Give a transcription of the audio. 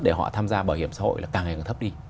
để họ tham gia bảo hiểm xã hội là càng ngày càng thấp đi